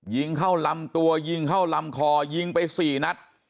ยิงเข้าลำตัวยิงเข้าลำคอยิงไป๔นัด